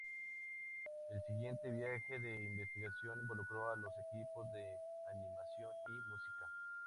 El siguiente viaje de investigación involucró a los equipos de animación y música.